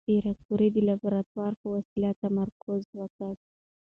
پېیر کوري د لابراتوار په وسایلو تمرکز وکړ.